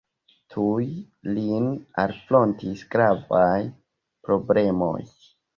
Tuj lin alfrontis gravaj problemoj.